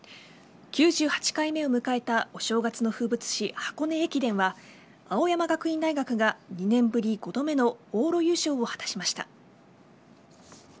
９８回目を迎えたお正月の風物詩・箱根駅伝は青山学院大学が２年ぶり５度目の往路優勝を果たしました。